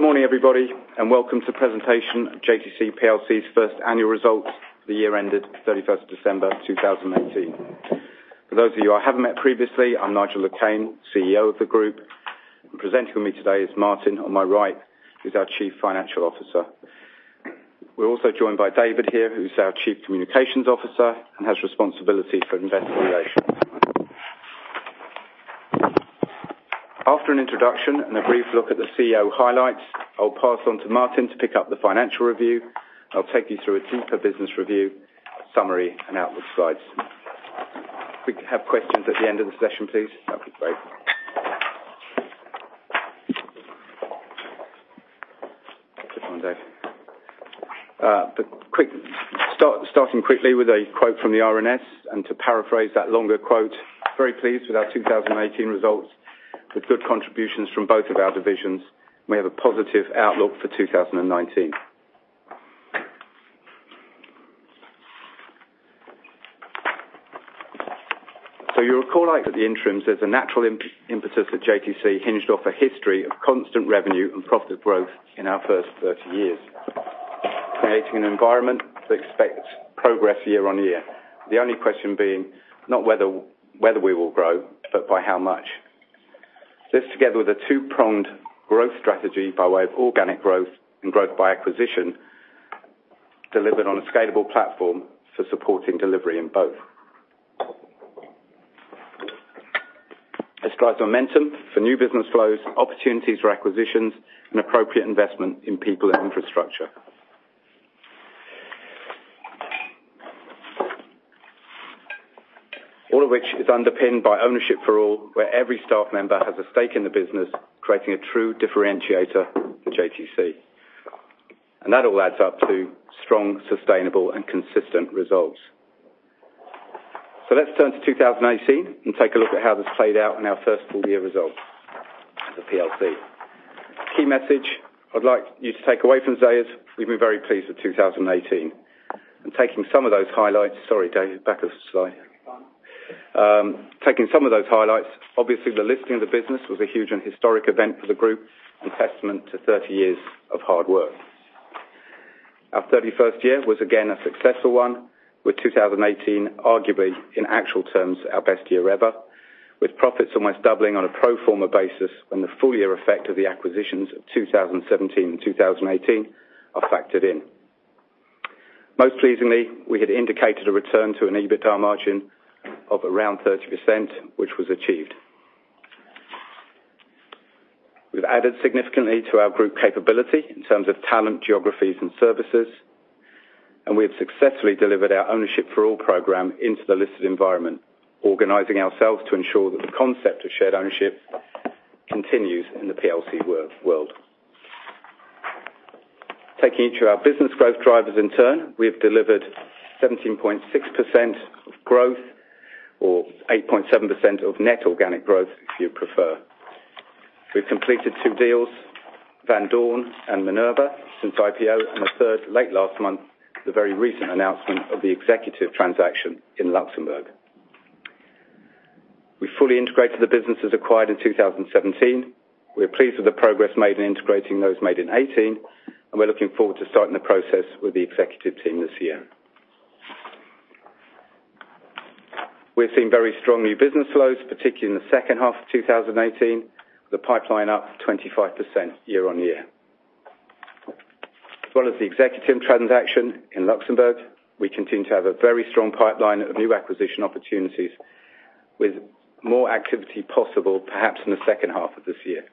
Good morning, everybody, welcome to presentation of JTC plc's first annual results for the year ended 31st of December 2018. For those of you I haven't met previously, I'm Nigel Le Quesne, CEO of the group. Presenting with me today is Martin, on my right, who's our Chief Financial Officer. We're also joined by David here, who's our Chief Communications Officer and has responsibility for investor relations. After an introduction and a brief look at the CEO highlights, I'll pass on to Martin to pick up the financial review, I'll take you through a deeper business review, summary, and outlook slides. If we can have questions at the end of the session, please, that'd be great. Good morning, Dave. Starting quickly with a quote from the RNS, to paraphrase that longer quote, very pleased with our 2018 results with good contributions from both of our divisions, we have a positive outlook for 2019. You'll recall out of the interims that the natural impetus of JTC hinged off a history of constant revenue and profit growth in our first 30 years, creating an environment to expect progress year-on-year. The only question being not whether we will grow, but by how much. This together with a two-pronged growth strategy by way of organic growth and growth by acquisition, delivered on a scalable platform for supporting delivery in both. It drives momentum for new business flows, opportunities for acquisitions, and appropriate investment in people and infrastructure. All of which is underpinned by Ownership for All, where every staff member has a stake in the business, creating a true differentiator for JTC. That all adds up to strong, sustainable, and consistent results. Let's turn to 2018 and take a look at how this played out in our first full year results as a PLC. Key message I'd like you to take away from today is we've been very pleased with 2018. Taking some of those highlights Sorry, David, back one slide. That's fine. Taking some of those highlights, obviously the listing of the business was a huge and historic event for the group and testament to 30 years of hard work. Our 31st year was again a successful one, with 2018 arguably in actual terms our best year ever, with profits almost doubling on a pro forma basis when the full year effect of the acquisitions of 2017 and 2018 are factored in. Most pleasingly, we had indicated a return to an EBITDA margin of around 30%, which was achieved. We've added significantly to our group capability in terms of talent, geographies, and services, and we have successfully delivered our Ownership for All program into the listed environment, organizing ourselves to ensure that the concept of shared ownership continues in the PLC world. Taking each of our business growth drivers in turn, we have delivered 17.6% of growth or 8.7% of net organic growth, if you prefer. We've completed two deals, Van Doorn and Minerva since IPO, and a third late last month with the very recent announcement of the Exequtive transaction in Luxembourg. We fully integrated the businesses acquired in 2017. We are pleased with the progress made in integrating those made in 2018, and we're looking forward to starting the process with the Exequtive team this year. We've seen very strong new business flows, particularly in the second half of 2018. The pipeline up 25% year on year. As well as the Exequtive transaction in Luxembourg, we continue to have a very strong pipeline of new acquisition opportunities with more activity possible perhaps in the second half of this year.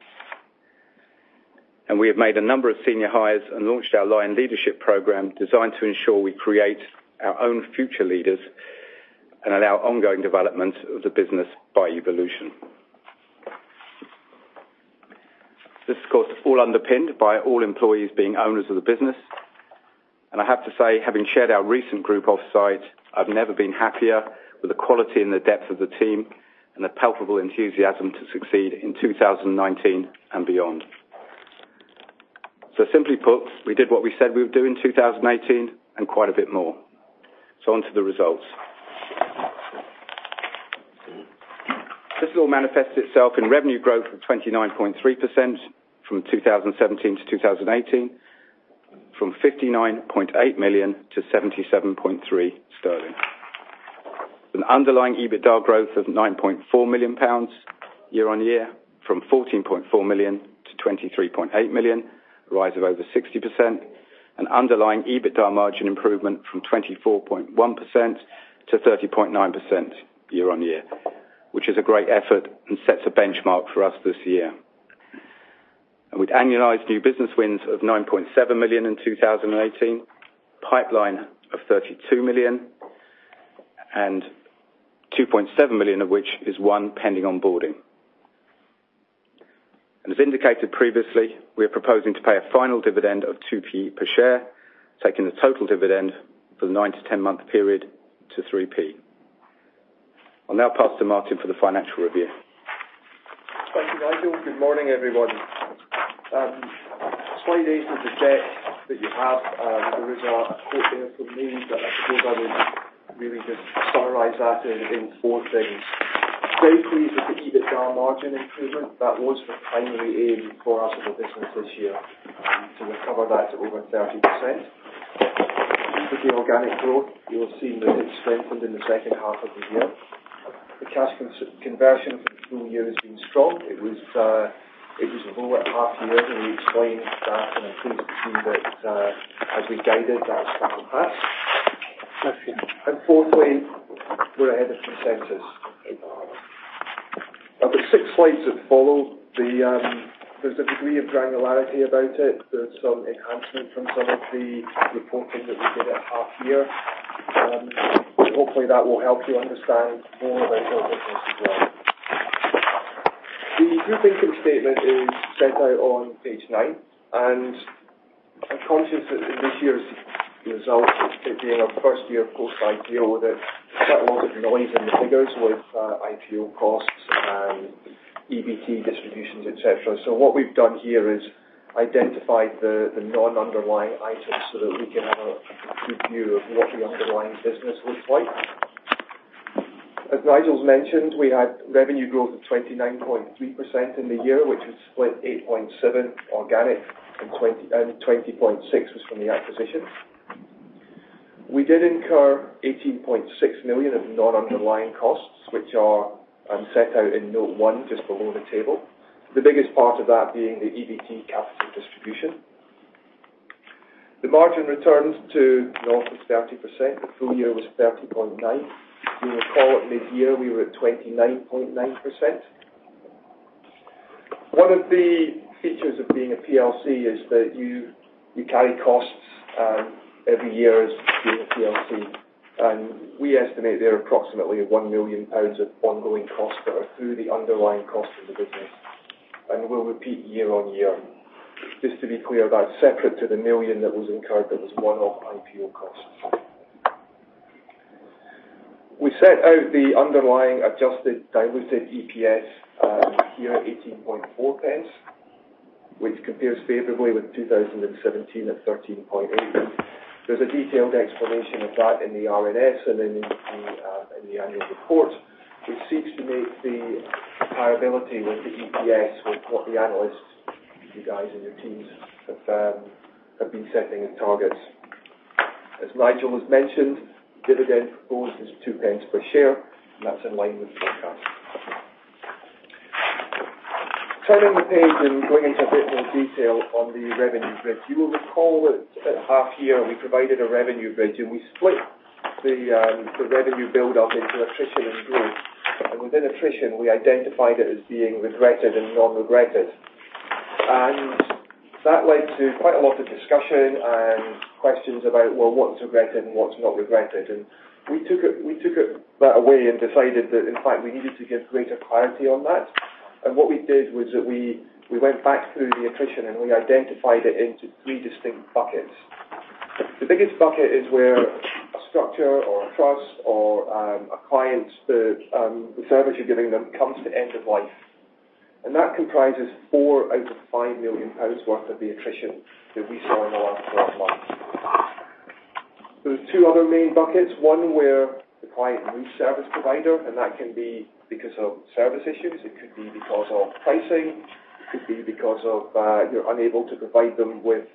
We have made a number of senior hires and launched our Lion Leadership program designed to ensure we create our own future leaders and allow ongoing development of the business by evolution. This is, of course, all underpinned by all employees being owners of the business. I have to say, having shared our recent group offsite, I've never been happier with the quality and the depth of the team and the palpable enthusiasm to succeed in 2019 and beyond. Simply put, we did what we said we would do in 2018 and quite a bit more. On to the results. This has all manifested itself in revenue growth of 29.3% from 2017 to 2018, from 59.8 million to 77.3 million sterling. An underlying EBITDA growth of 9.4 million pounds year on year, from 14.4 million to 23.8 million. A rise of over 60%. An underlying EBITDA margin improvement from 24.1% to 30.9% year on year, which is a great effort and sets a benchmark for us this year. With annualized new business wins of 9.7 million in 2018, pipeline of 32 million, and 2.7 million of which is one pending onboarding. As indicated previously, we are proposing to pay a final dividend of 0.02 per share, taking the total dividend for the nine to 10 month period to 0.03. I'll now pass to Martin for the financial review. Thank you, Nigel. Good morning, everyone. Slide eight of the deck that you have, there is a quote there from me that I suppose I would really just summarize that in four things. Very pleased with the EBITDA margin improvement. That was the primary aim for us as a business this year, to recover that to over 30%. With the organic growth, you'll see that it strengthened in the second half of the year. The cash conversion for the full year has been strong. It was lower at half year. We explained that, and I think that as we guided, that has come to pass. Fourthly, we're ahead of consensus. Of the six slides that follow, there's a degree of granularity about it. There's some enhancement from some of the reporting that we did at half year. Hopefully, that will help you understand more about our business as well. The group income statement is set out on page nine. I'm conscious that this year's result, it being our first year post-IPO, that there's quite a lot of noise in the figures with IPO costs and EBT distributions, et cetera. What we've done here is identified the non-underlying items so that we can have a good view of what the underlying business looks like. As Nigel's mentioned, we had revenue growth of 29.3% in the year, which was split 8.7% organic and 20.6% was from the acquisitions. We did incur 18.6 million of non-underlying costs, which are set out in note one just below the table. The biggest part of that being the EBT capital distribution. The margin returns to north of 30%. The full year was 30.9%. If you recall, at mid-year, we were at 29.9%. One of the features of being a PLC is that you carry costs every year as being a PLC. We estimate there are approximately 1 million pounds of ongoing costs that are through the underlying cost of the business, and will repeat year-on-year. Just to be clear, that's separate to the 1 million that was incurred that was one-off IPO costs. We set out the underlying adjusted diluted EPS here at 0.184, which compares favorably with 2017 at 0.138. There's a detailed explanation of that in the RNS and in the annual report, which seeks to make the comparability with the EPS with what the analysts, you guys and your teams have been setting as targets. As Nigel has mentioned, dividend grows as 0.02 per share, that's in line with forecasts. Turning the page and going into a bit more detail on the revenue bridge. You will recall that at half year, we provided a revenue bridge. We split the revenue build-up into attrition and growth. Within attrition, we identified it as being regraded and non-regraded. That led to quite a lot of discussion and questions about, well, what's regraded and what's not regraded? We took it that away and decided that in fact, we needed to give greater clarity on that. What we did was that we went back through the attrition, and we identified it into three distinct buckets. The biggest bucket is where a structure or a trust or a client, the service you're giving them comes to end of life. That comprises 4 million out of 5 million pounds worth of the attrition that we saw in the last 12 months. There's two other main buckets. One where the client leaves service provider. That can be because of service issues, it could be because of pricing, it could be because of you're unable to provide them with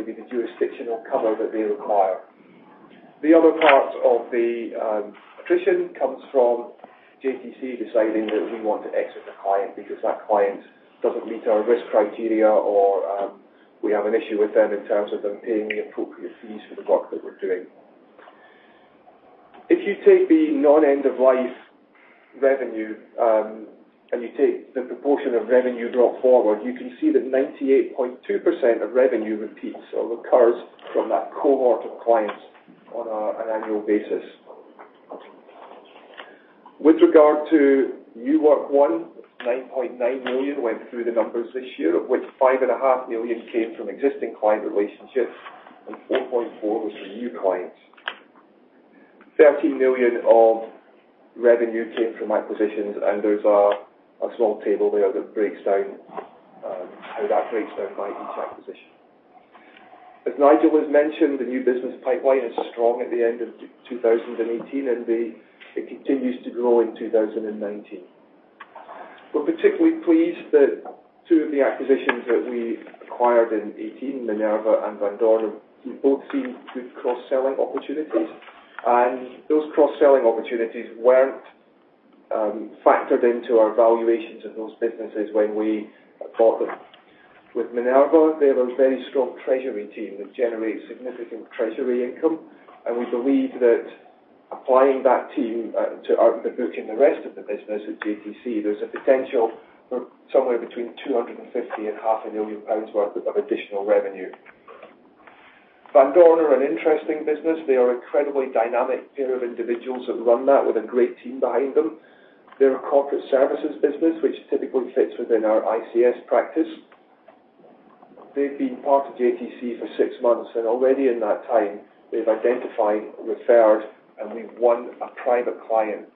maybe the jurisdictional cover that they require. The other part of the attrition comes from JTC deciding that we want to exit the client because that client doesn't meet our risk criteria or we have an issue with them in terms of them paying the appropriate fees for the work that we're doing. If you take the non-end of life revenue, you take the proportion of revenue drop forward, you can see that 98.2% of revenue repeats or recurs from that cohort of clients on an annual basis. With regard to new work won, 9.9 million went through the numbers this year, of which 5.5 million came from existing client relationships and 4.4 million was from new clients. 13 million of revenue came from acquisitions. There's a small table there that breaks down how that breaks down by each acquisition. As Nigel has mentioned, the new business pipeline is strong at the end of 2018, and it continues to grow in 2019. We're particularly pleased that two of the acquisitions that we acquired in 2018, Minerva and Van Doorn, we both see good cross-selling opportunities. Those cross-selling opportunities weren't factored into our valuations of those businesses when we bought them. With Minerva, they have a very strong treasury team that generates significant treasury income, and we believe that applying that team to the book in the rest of the business at JTC, there's a potential for somewhere between 250,000 and 500,000 pounds worth of additional revenue. Van Doorn are an interesting business. They are incredibly dynamic pair of individuals that run that with a great team behind them. They're a corporate services business which typically fits within our ICS practice. They've been part of JTC for six months. Already in that time they've identified, referred, and we've won a private client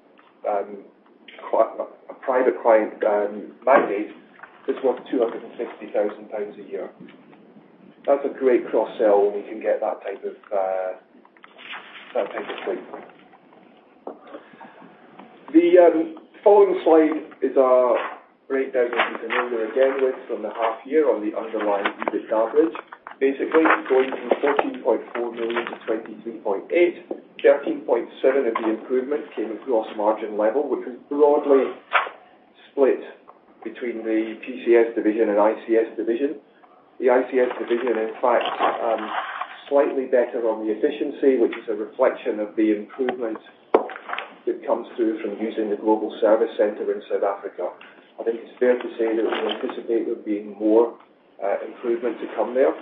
mandate that's worth 260,000 pounds a year. That's a great cross-sell when we can get that type of suite. The following slide is a breakdown as you can know we're again with from the half year on the underlying EBITDA bridge. Basically, going from 14.4 million to 23.8 million. 13.7 million of the improvement came at gross margin level, which was broadly split between the PCS division and ICS division. The ICS division, in fact, slightly better on the efficiency, which is a reflection of the improvement that comes through from using the Global Service Centre in South Africa. I think it's fair to say that we anticipate there being more improvement to come there.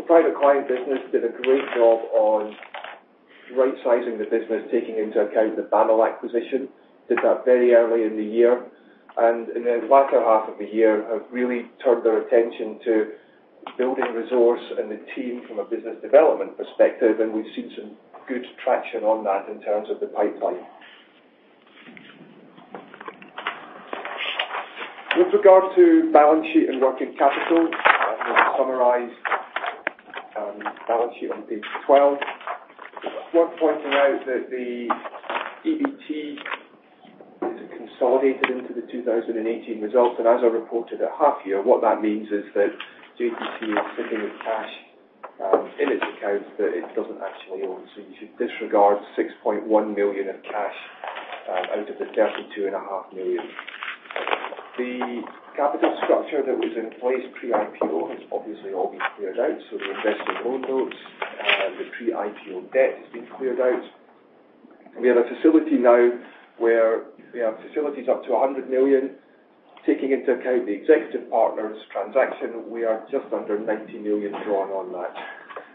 The private client business did a great job on right-sizing the business, taking into account the BAML acquisition. Did that very early in the year. In the latter half of the year, have really turned their attention to building resource and the team from a business development perspective, we've seen some good traction on that in terms of the pipeline. With regard to balance sheet and working capital, I will summarize balance sheet on page 12. It's worth pointing out that the EBT is consolidated into the 2018 results. As I reported at half year, what that means is that JTC is sitting with cash in its accounts that it doesn't actually own. You should disregard 6.1 million of cash out of the 32.5 million. The capital structure that was in place pre-IPO has obviously all been cleared out. The investor loan notes, the pre-IPO debt has been cleared out. We have a facility now where we have facilities up to 100 million. Taking into account the Exequtive Partners transaction, we are just under 90 million drawn on that.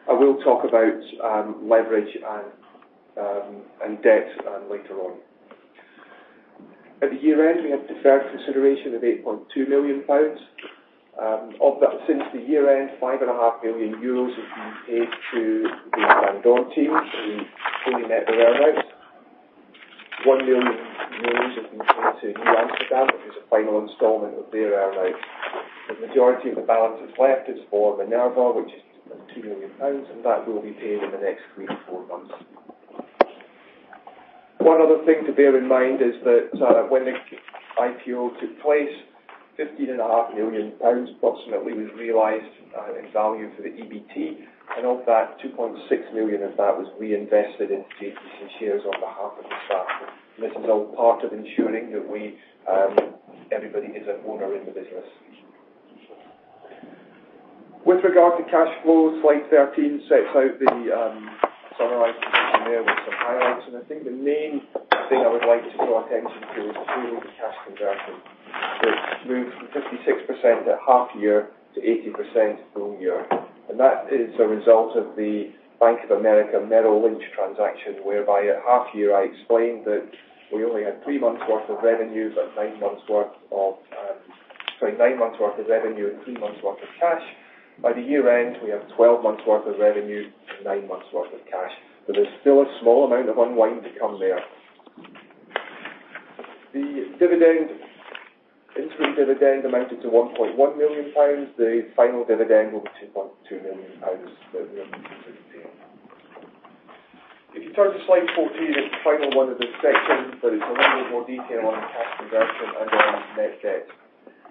I will talk about leverage and debt later on. At the year-end, we have deferred consideration of 8.2 million pounds. Of that, since the year-end, 5.5 million euros has been paid to the Van Doorn team to fully net their earn-outs. EUR 1 million has been paid to New Amsterdam, which was the final installment of their earn-out. The majority of the balance that's left is for Minerva, which is 2 million pounds, and that will be paid in the next three to four months. One other thing to bear in mind is that when the IPO took place, 15.5 million pounds approximately was realized in value for the EBT. Of that, 2.6 million of that was reinvested into JTC shares on behalf of the staff. This is all part of ensuring that everybody is an owner in the business. With regard to cash flows, slide 13 sets out the summary position there with some highlights. I think the main thing I would like to draw attention to is the free cash conversion, which moved from 56% at half year to 80% full year. That is a result of the Bank of America Merrill Lynch transaction, whereby at half year, I explained that we only had three months worth of revenue but nine months worth of revenue and three months worth of cash. By the year-end, we have 12 months worth of revenue and nine months worth of cash. There's still a small amount of unwind to come there. The interim dividend amounted to 1.1 million pounds. The final dividend will be 2.2 million pounds that we are looking to retain. If you turn to slide 14, it's the final one of this section, but it's a little bit more detail on cash conversion and on net debt.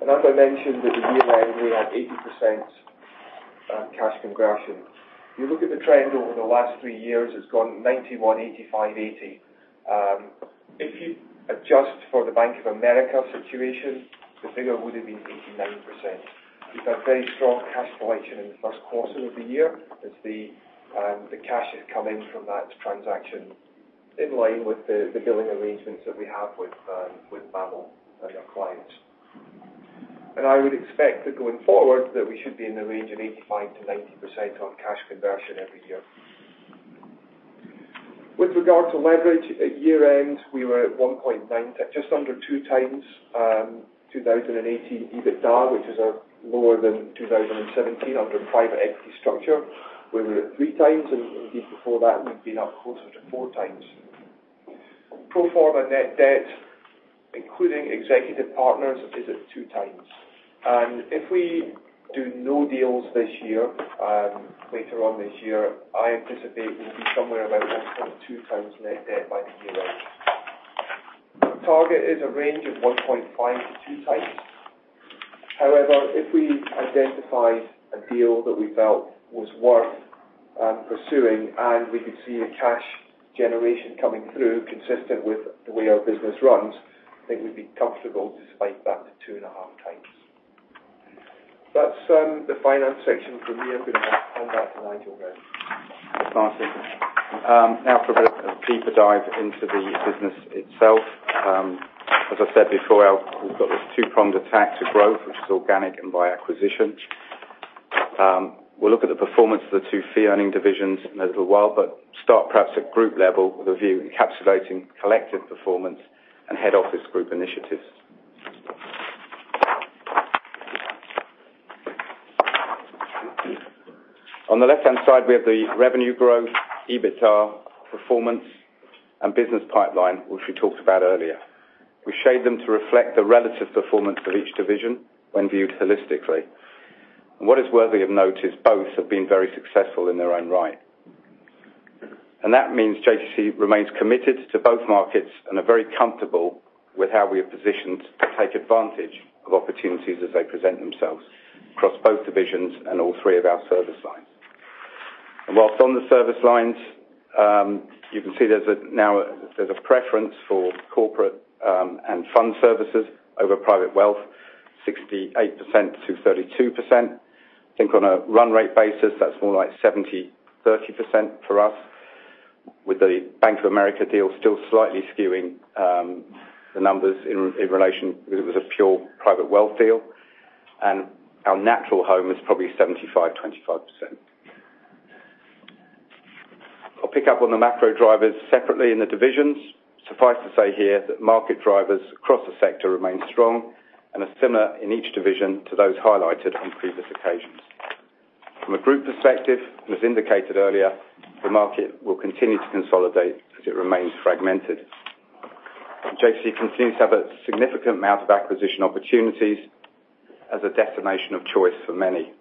As I mentioned, at the year-end, we had 80% cash conversion. If you look at the trend over the last three years, it's gone 91%, 85%, 80%. If you adjust for the Bank of America situation, the figure would have been 89%. We've had very strong cash collection in the first quarter of the year as the cash has come in from that transaction in line with the billing arrangements that we have with BAML and their clients. I would expect that going forward, that we should be in the range of 85%-90% on cash conversion every year. With regard to leverage, at year-end, we were at 1.9x, just under 2x 2018 EBITDA, which is lower than 2017 under private equity structure, where we were at 3x, and indeed before that, we've been up closer to 4x. Pro forma net debt, including Exequtive Partners, is at 2x. If we do no deals this year, later on this year, I anticipate we'll be somewhere about 1.2x net debt by the year-end. Target is a range of 1.5x-2x. If we identify a deal that we felt was worth pursuing and we could see a cash generation coming through consistent with the way our business runs, I think we'd be comfortable to spike that to 2.5x. That's the finance section from me. I'm going to hand back to Nigel now. Thanks, Martin. For a bit of a deeper dive into the business itself. As I said before, we've got this two-pronged attack to growth, which is organic and by acquisition. We'll look at the performance of the two fee-earning divisions in a little while, but start perhaps at group level with a view encapsulating collective performance and head office group initiatives. On the left-hand side, we have the revenue growth, EBITDA performance and business pipeline, which we talked about earlier. We shade them to reflect the relative performance of each division when viewed holistically. What is worthy of note is both have been very successful in their own right. That means JTC remains committed to both markets and are very comfortable with how we are positioned to take advantage of opportunities as they present themselves across both divisions and all three of our service lines. Whilst on the service lines, you can see there's now a preference for corporate and fund services over private wealth, 68% to 32%. I think on a run rate basis, that's more like 70/30% for us with the Bank of America deal still slightly skewing the numbers in relation, because it was a pure private wealth deal, and our natural home is probably 75/25%. I'll pick up on the macro drivers separately in the divisions. Suffice to say here that market drivers across the sector remain strong and are similar in each division to those highlighted on previous occasions. From a group perspective, as indicated earlier, the market will continue to consolidate as it remains fragmented. JTC continues to have a significant amount of acquisition opportunities as a destination of choice for many.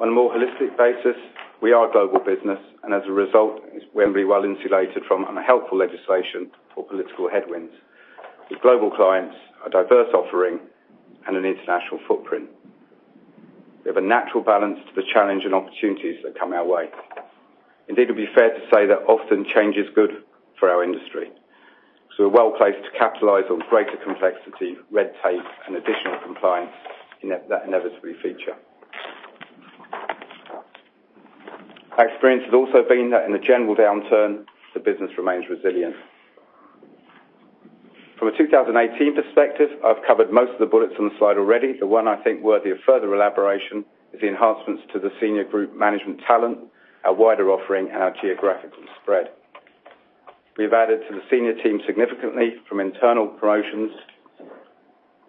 On a more holistic basis, we are a global business, as a result, we're going to be well-insulated from unhelpful legislation or political headwinds. With global clients, a diverse offering, and an international footprint. We have a natural balance to the challenge and opportunities that come our way. Indeed, it'd be fair to say that often change is good for our industry. We're well-placed to capitalize on greater complexity, red tape, and additional compliance in that inevitably feature. Our experience has also been that in a general downturn, the business remains resilient. From a 2018 perspective, I've covered most of the bullets on the slide already. The one I think worthy of further elaboration is the enhancements to the senior group management talent, our wider offering, and our geographical spread. We've added to the senior team significantly from internal promotions,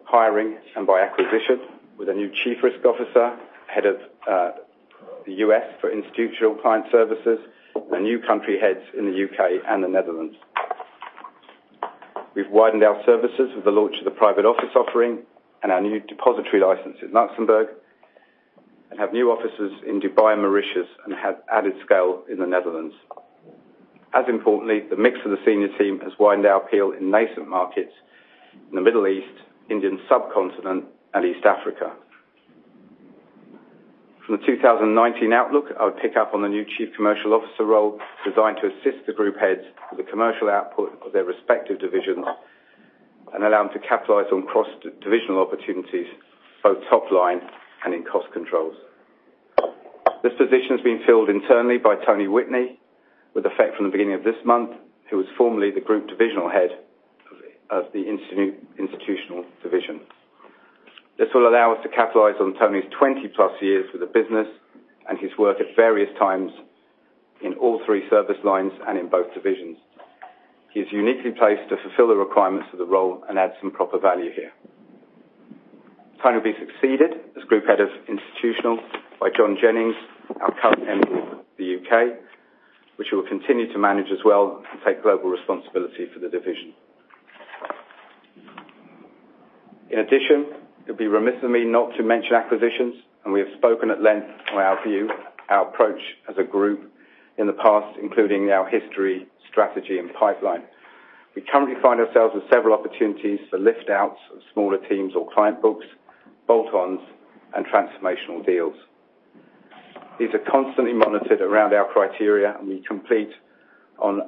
hiring, and by acquisition with a new chief risk officer, head of the U.S. for Institutional Client Services, and new country heads in the U.K. and the Netherlands. We've widened our services with the launch of the private office offering and our new depository license in Luxembourg and have new offices in Dubai and Mauritius and have added scale in the Netherlands. As importantly, the mix of the senior team has widened our appeal in nascent markets in the Middle East, Indian subcontinent, and East Africa. From the 2019 outlook, I would pick up on the new Chief Commercial Officer role designed to assist the group heads with the commercial output of their respective divisions and allow them to capitalize on cross-divisional opportunities, both top line and in cost controls. This position has been filled internally by Tony Whitney with effect from the beginning of this month, who was formerly the group divisional head of the institutional division. This will allow us to capitalize on Tony's 20-plus years with the business and his work at various times in all three service lines and in both divisions. He is uniquely placed to fulfill the requirements of the role and add some proper value here. Tony will be succeeded as group head of institutional by Jon Jennings, our current MD for the U.K., which he will continue to manage as well and take global responsibility for the division. We have spoken at length on our view, our approach as a group in the past, including our history, strategy, and pipeline. We currently find ourselves with several opportunities for lift-outs of smaller teams or client books, bolt-ons, and transformational deals. These are constantly monitored around our criteria, we complete on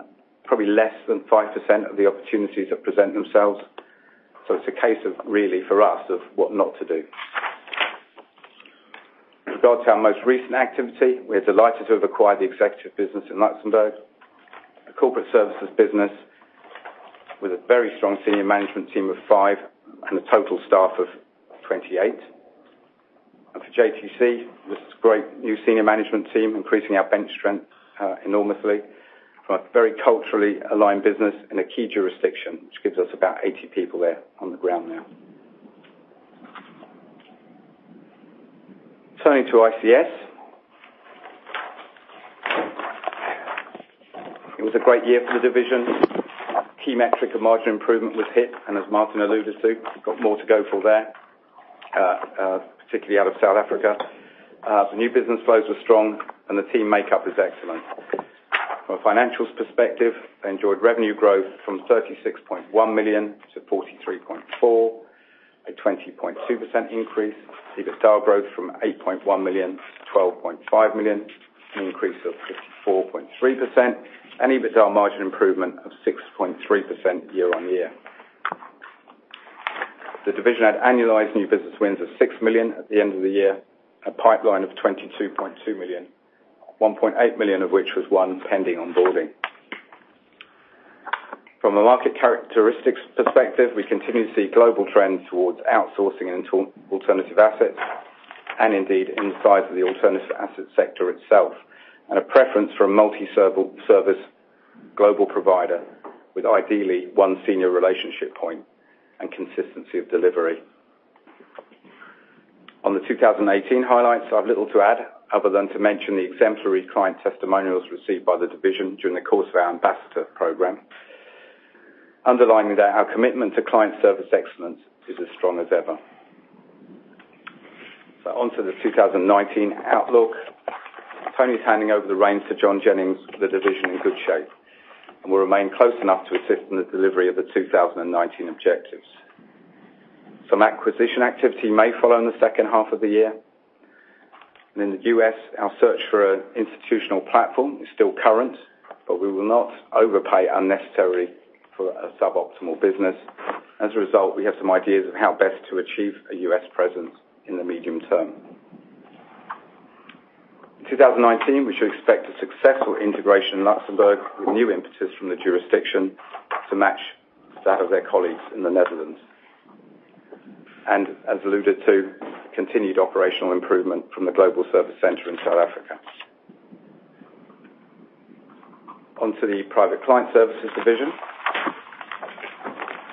probably less than 5% of the opportunities that present themselves. It's a case of really for us of what not to do. In regards to our most recent activity, we are delighted to have acquired the Exequtive business in Luxembourg, a corporate services business with a very strong senior management team of five and a total staff of 28. For JTC, this is a great new senior management team, increasing our bench strength enormously for a very culturally aligned business in a key jurisdiction, which gives us about 80 people there on the ground now. Turning to ICS. It was a great year for the division. Key metric of margin improvement was hit, as Martin alluded to, we've got more to go for there, particularly out of South Africa. The new business flows were strong, the team makeup is excellent. From a financials perspective, they enjoyed revenue growth from 36.1 million to 43.4 million, a 20.2% increase. EBITDA growth from 8.1 million to 12.5 million, an increase of 54.3%, and EBITDA margin improvement of 6.3% year-on-year. The division had annualized new business wins of 6 million at the end of the year, a pipeline of 22.2 million, 1.8 million of which was won pending onboarding. From a market characteristics perspective, we continue to see global trends towards outsourcing into alternative assets and indeed inside the alternative asset sector itself and a preference for a multi-service global provider with ideally one senior relationship point and consistency of delivery. On the 2018 highlights, I have little to add other than to mention the exemplary client testimonials received by the division during the course of our ambassador program, underlining that our commitment to client service excellence is as strong as ever. Onto the 2019 outlook. Tony is handing over the reins to Jon Jennings with the division in good shape, and will remain close enough to assist in the delivery of the 2019 objectives. Some acquisition activity may follow in the second half of the year. In the U.S., our search for an institutional platform is still current, but we will not overpay unnecessarily for a suboptimal business. As a result, we have some ideas of how best to achieve a U.S. presence in the medium term. In 2019, we should expect a successful integration in Luxembourg with new impetus from the jurisdiction to match that of their colleagues in the Netherlands. As alluded to, continued operational improvement from the Global Service Centre in South Africa. On to the Private Client Services division.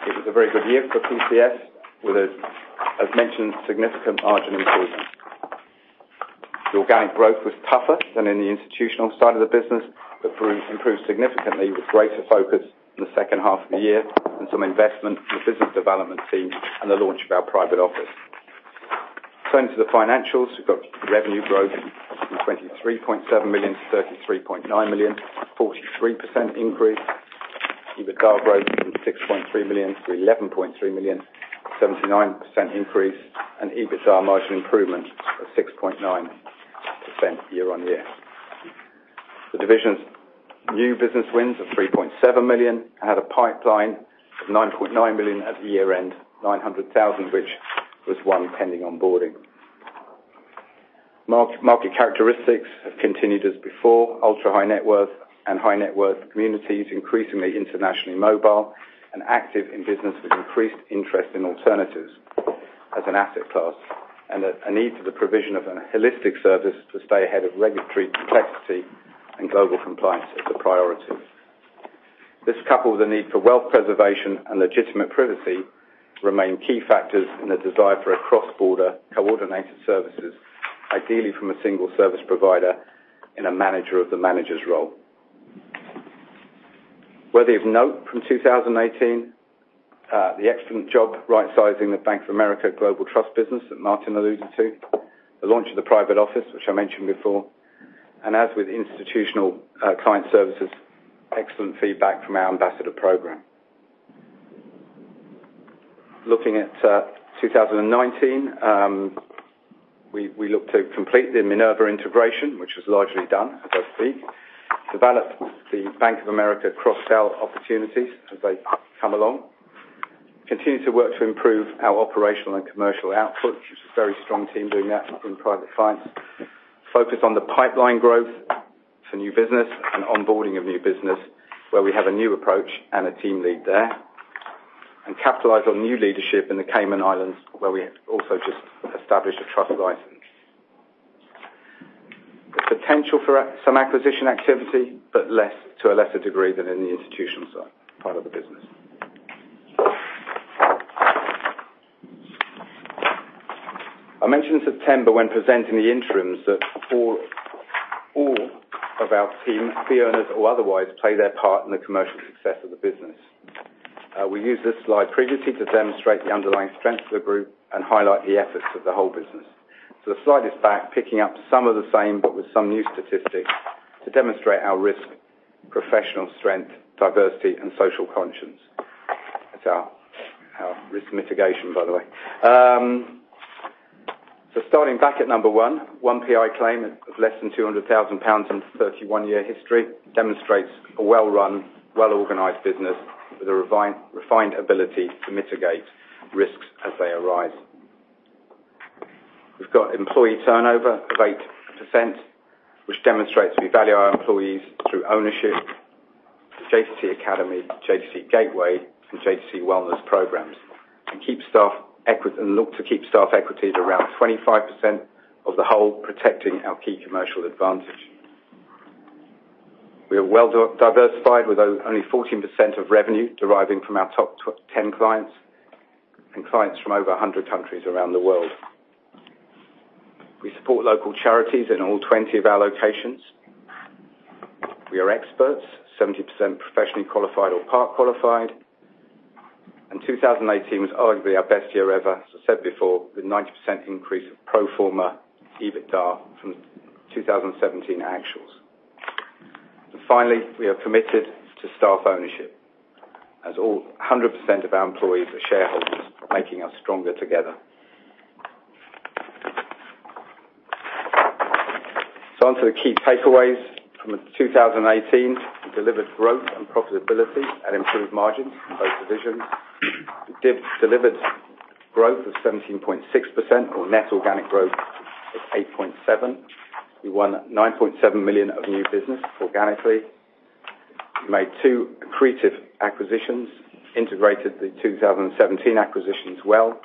This was a very good year for PCS with a, as mentioned, significant margin improvement. The organic growth was tougher than in the institutional side of the business, but improved significantly with greater focus in the second half of the year and some investment from the business development team and the launch of our private office. Turning to the financials, we've got revenue growth from 23.7 million to 33.9 million, a 43% increase. EBITDA growth from 6.3 million to 11.3 million, 79% increase, and EBITDA margin improvement of 6.9% year-on-year. The division's new business wins of 3.7 million had a pipeline of 9.9 million at the year-end, 900,000, which was one pending onboarding. Market characteristics have continued as before. Ultra high net worth and high net worth communities, increasingly internationally mobile and active in business with increased interest in alternatives as an asset class. A need for the provision of an holistic service to stay ahead of regulatory complexity and global compliance as a priority. This, coupled with the need for wealth preservation and legitimate privacy, remain key factors in the desire for cross-border coordinated services, ideally from a single service provider in a manager of the manager's role. Worthy of note from 2018, the excellent job rightsizing the Bank of America global trust business that Martin alluded to, the launch of the private office, which I mentioned before, and as with Institutional Client Services, excellent feedback from our ambassador program. Looking at 2019, we look to complete the Minerva integration, which was largely done as I speak, develop the Bank of America cross-sell opportunities as they come along, continue to work to improve our operational and commercial output. Which is a very strong team doing that in Private Clients. Focus on the pipeline growth for new business and onboarding of new business where we have a new approach and a team lead there. Capitalize on new leadership in the Cayman Islands, where we have also just established a trust license. The potential for some acquisition activity, but to a lesser degree than in the institutional side, part of the business. I mentioned in September when presenting the interims that all of our team, fee earners or otherwise, play their part in the commercial success of the business. We used this slide previously to demonstrate the underlying strength of the group and highlight the efforts of the whole business. The slide is back, picking up some of the same, but with some new statistics to demonstrate our risk professional strength, diversity, and social conscience. That's our risk mitigation, by the way. Starting back at number 1. One PI claim of less than 200,000 pounds in its 31-year history demonstrates a well-run, well-organized business with a refined ability to mitigate risks as they arise. We've got employee turnover of 8%, which demonstrates we value our employees through Ownership, the JTC Academy, JTC Gateway, and JTC wellness programs. Look to keep staff equities around 25% of the whole, protecting our key commercial advantage. We are well diversified with only 14% of revenue deriving from our top 10 clients and clients from over 100 countries around the world. We support local charities in all 20 of our locations. We are experts, 70% professionally qualified or part qualified. 2018 was arguably our best year ever, as I said before, with 90% increase of pro forma EBITDA from 2017 actuals. Finally, we are committed to staff ownership as 100% of our employees are shareholders, making us stronger together. On to the key takeaways from 2018. We delivered growth and profitability at improved margins in both divisions. We delivered growth of 17.6% or net organic growth of 8.7%. We won 9.7 million of new business organically. We made two accretive acquisitions, integrated the 2017 acquisitions well,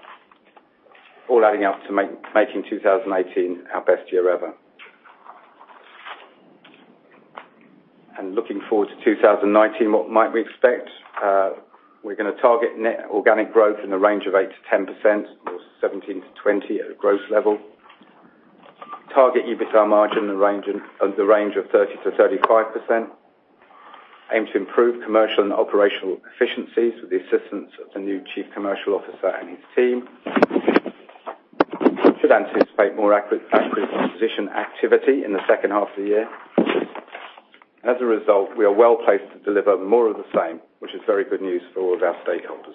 all adding up to making 2018 our best year ever. Looking forward to 2019, what might we expect? We're going to target net organic growth in the range of 8%-10% or 17%-20% at a growth level. Target EBITDA margin in the range of 30%-35%. Aim to improve commercial and operational efficiencies with the assistance of the new Chief Commercial Officer and his team. Should anticipate more accretive acquisition activity in the second half of the year. As a result, we are well-placed to deliver more of the same, which is very good news for all of our stakeholders.